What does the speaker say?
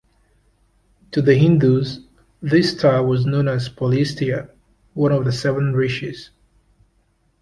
To the Hindus this star was known as "Pulastya", one of the Seven Rishis.